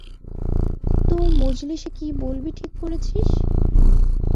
তো, মজলিশে কী বলবি ঠিক করেছিস?